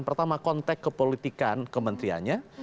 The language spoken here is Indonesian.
pertama konteks ke politikan kementrianya